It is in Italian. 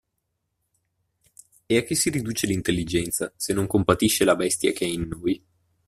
E a che si riduce l'intelligenza, se non compatisce la bestia che è in noi?